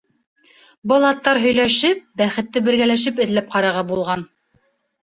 Был аттар һөйләшеп, бәхетте бергәләшеп эҙләп ҡарарға булған.